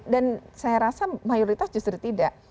dan saya rasa mayoritas justru tidak